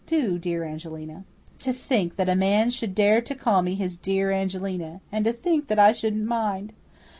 Do, dear Angelina." To think that a man should dare to call me his "dear Angelina!" And to think that I shouldn't mind!